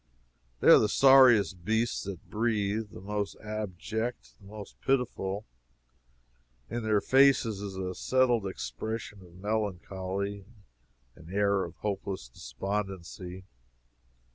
They are the sorriest beasts that breathe the most abject the most pitiful. In their faces is a settled expression of melancholy, an air of hopeless despondency.